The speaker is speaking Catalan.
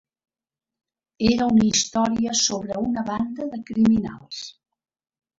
Era una història sobre una banda de criminals.